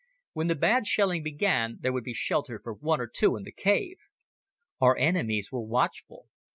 When the bad shelling began there would be shelter for one or two in the cave. Our enemies were watchful.